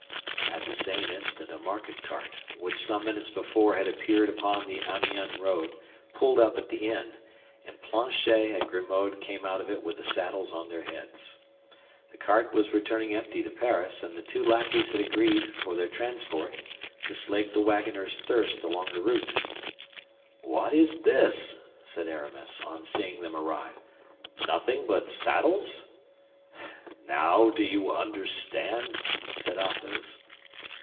At the same instant a market cart, which some minutes before had appeared upon the Amiens road, pulled up at the inn, and Planchet and Grimaud came out of it with the saddles on their heads. The cart was returning empty to Paris, and the two lackeys had agreed, for their transport, to slake the wagoner's thirst along the route. "What is this?" said Aramis, on seeing them arrive. "Nothing but saddles?" "Now do you understand?" said Athos.